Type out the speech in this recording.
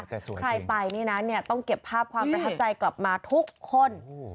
ใครไปนี่นะต้องเก็บภาพความประทับใจกลับมาทุกคน